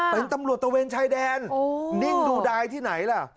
เป็นตำรวจตะเวนชายแดนนิ่งดูดายที่ไหนล่ะ